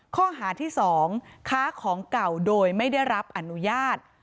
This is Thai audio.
ข้อหาที่๒ค้าของเก่าโดยไม่ได้รับอนุญาต